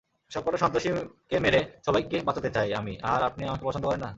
সবকটা সন্ত্রাসীকে মেরে সবাইকে বাঁচাতে চাই আমি আর আপনি আমাকে পছন্দ করেন না?